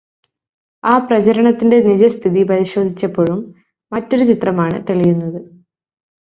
ആ പ്രചരണത്തിന്റെ നിജസ്ഥിതി പരിശോധിച്ചപ്പോഴും മറ്റൊരു ചിത്രമാണ് തെളിയുന്നത്.